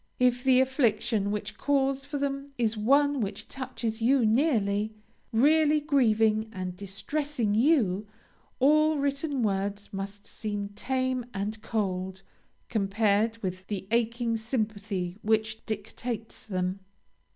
If the affliction which calls for them is one which touches you nearly, really grieving and distressing you, all written words must seem tame and cold, compared with the aching sympathy which dictates them.